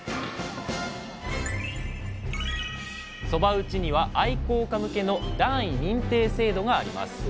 そば打ちには愛好家向けの段位認定制度があります。